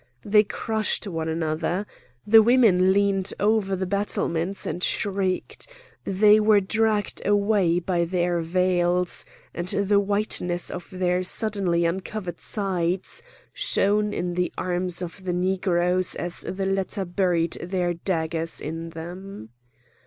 They crushed one another. The women leaned over the battlements and shrieked. They were dragged away by their veils, and the whiteness of their suddenly uncovered sides shone in the arms of the Negroes as the latter buried their daggers in them.